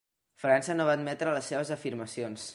França no va admetre les seves afirmacions.